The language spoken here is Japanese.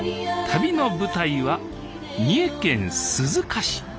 旅の舞台は三重県鈴鹿市。